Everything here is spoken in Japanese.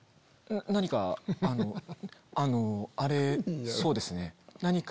何かあのあのあれそうですね何か。